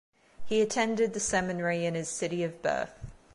He attended the seminary in his city of birth.